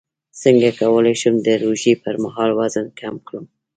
څنګه کولی شم د روژې پر مهال وزن کم کړم